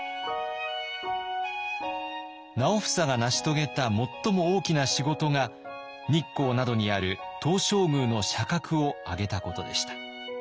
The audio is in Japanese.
直房が成し遂げた最も大きな仕事が日光などにある東照宮の社格を上げたことでした。